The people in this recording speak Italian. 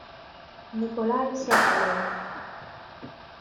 Nikolaj Sokolov